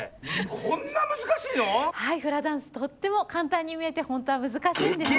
こんなむずかしいの⁉はいフラダンスとってもかんたんにみえてほんとはむずかしいんですよ。